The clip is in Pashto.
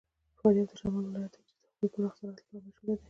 فاریاب د شمال ولایت دی چې د خپل پراخ زراعت لپاره مشهور دی.